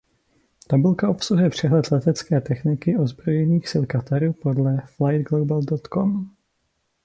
Tabulka obsahuje přehled letecké techniky ozbrojených sil Kataru podle Flightglobal.com.